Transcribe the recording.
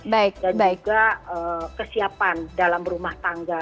dan juga kesiapan dalam rumah tangga